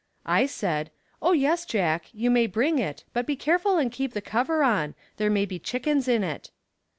I said, "Oh, yes, Jack, you may bring it, but be careful and keep the cover on, there may be chickens in it."